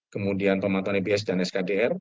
kemudian pemantauan ebs dan skdr